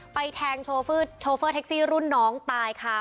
แทงโชเฟอร์แท็กซี่รุ่นน้องตายค่ะ